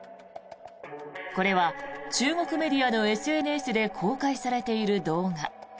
これは中国メディアのＳＮＳで公開されている動画。